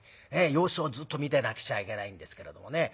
様子をずっと見てなくちゃいけないんですけれどもね。